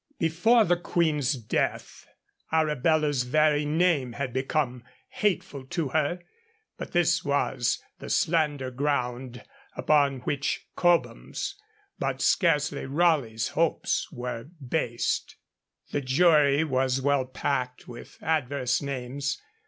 Before the Queen's death Arabella's very name had become hateful to her, but this was the slender ground upon which Cobham's, but scarcely Raleigh's, hopes were based. The jury was well packed with adverse names.